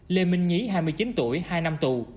lê minh nhí hai mươi chín tuổi hai năm tù